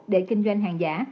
để kinh doanh hàng giả